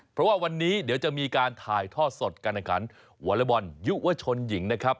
เพราะว่าวันนี้เดี๋ยวจะมีการถ่ายทอดสดการแข่งขันวอเล็กบอลยุวชนหญิงนะครับ